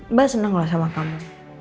mbak seneng loh sama kamu